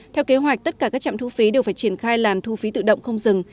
theo kế hoạch tất cả các trạm thu phí đều phải triển khai làn thu phí tự động không dừng